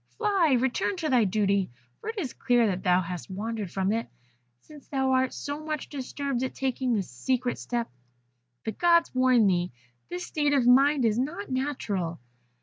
Fly, return to thy duty, for it is clear that thou hast wandered from it, since thou art so much disturbed at taking this secret step. The Gods warn thee. This state of mind is not natural.'